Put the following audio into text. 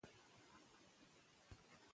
که په ټولنه کې سوله وي، نو د ویر احساس به کم شي.